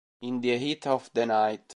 In the Heat of the Night